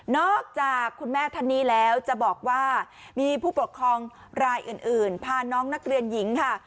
จากคุณแม่ท่านนี้แล้วจะบอกว่ามีผู้ปกครองรายอื่นพาน้องนักเรียนหญิงค่ะ